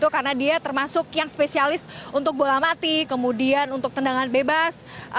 karena dia termasuk yang spesialis untuk bola mati kemudian untuk tendangan bebas